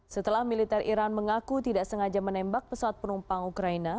setelah militer iran mengaku tidak sengaja menembak pesawat penumpang ukraina